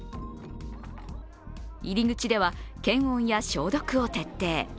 入り口では検温や消毒を徹底。